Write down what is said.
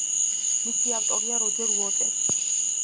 მისი ავტორია როჯერ უოტერსი.